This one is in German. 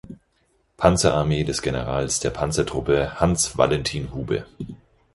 Panzerarmee des Generals der Panzertruppe Hans-Valentin Hube.